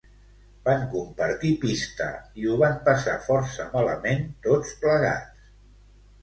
Van compartir pista i ho van passar força malament tots plegats.